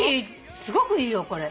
すごくいいよこれ。